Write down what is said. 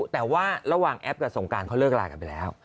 แต่ว่าระหว่างแอปกับสงการเขาเลิกลากันไปแล้ว